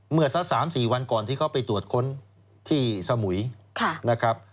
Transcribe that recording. เมื่อสัก๓๔วันก่อนที่เขาไปตรวจค้นที่สมุยนะครับ